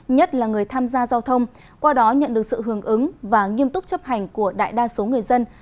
nhất là người tham gia giao thông qua đó nhận được sự hưởng ứng và nghiêm túc chấp hành của đại đa số người dân